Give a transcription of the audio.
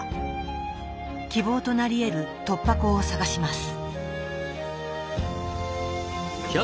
希望となりえる突破口を探します。